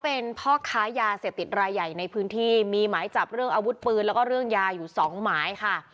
เป็นพ่อค้ายาเสพติดรายใหญ่ในพื้นที่มีหมายจับเรื่องอาวุธปืนแล้วก็เรื่องยาอยู่สองหมายค่ะ